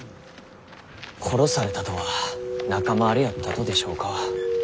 殺されたとは仲間割れやったとでしょうか。